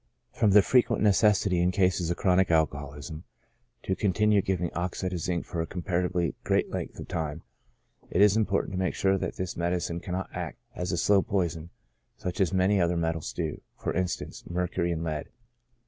From the frequent necessity in cases of chronic alcohol ism, to continue giving oxide of zinc for a comparatively great length of time, it is important to make sure that this medicine cannot act as a slow poison, such as many other metals do, for instance, mercury and lead.